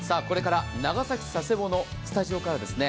これから長崎・佐世保のスタジオら